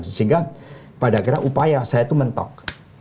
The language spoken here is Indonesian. sehingga pada akhirnya upaya saya itu mentok